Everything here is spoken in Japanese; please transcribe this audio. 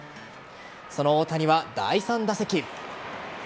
その大谷は第３打席。